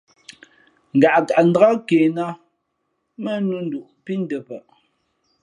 Ngaʼkaʼ ndāk ke nā mά nū nduʼ pí ndαpαʼ.